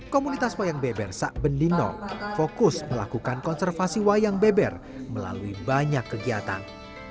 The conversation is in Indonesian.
komunitas wayang beber sak bendino fokus melakukan konservasi wayang beber melalui banyak kegiatan